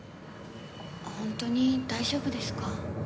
本当に大丈夫ですか？